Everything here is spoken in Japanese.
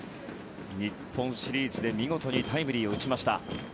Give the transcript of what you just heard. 日本シリーズで見事にタイムリーを打ちました。